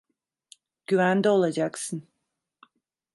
Güvende olacaksın.